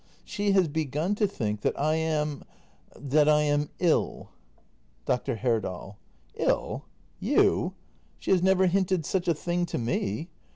] She has begun to think that I am — that I am — ill. Dr. Herdal. Ill ! You! She has never hinted such a thing to me.